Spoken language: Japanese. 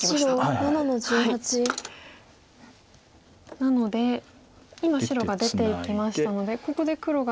なので今白が出ていきましたのでここで黒が。